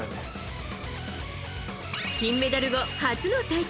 金メダル後、初の大会。